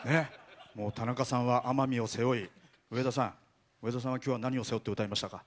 田中さんは奄美を背負い上田さんは、きょうは何を背負って歌いましたか？